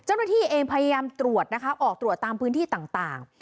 เจ้าหน้าที่เองพยายามตรวจนะคะออกตรวจตามพื้นที่ต่าง